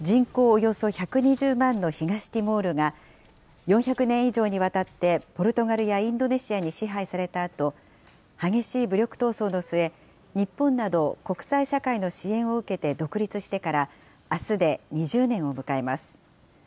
およそ１２０万の東ティモールが、４００年以上にわたって、ポルトガルやインドネシアに支配されたあと、激しい武力闘争の末、日本など国際社会の支援を受けて独立してから、あすで２０年を迎えます。